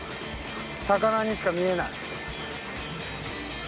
魚にしか見えない。